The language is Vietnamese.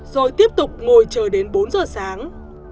rồi tiếp tục ngồi chờ đến bốn giờ sáng